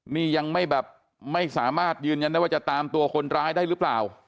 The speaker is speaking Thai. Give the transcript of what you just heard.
นี่ยังไม่แบบไม่สามารถยืนยันได้ว่าจะตามตัวคนร้ายได้หรือเปล่า